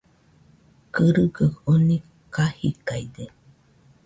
Kɨrɨgaɨ oni kajidaide